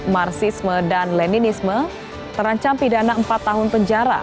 marxisme dan leninisme terancam pidana empat tahun penjara